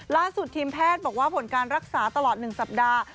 ทีมแพทย์บอกว่าผลการรักษาตลอด๑สัปดาห์